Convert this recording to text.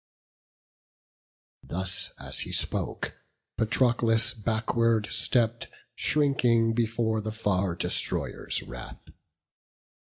Thus as he spoke, Patroclus backward stepp'd, Shrinking before the Far destroyer's wrath.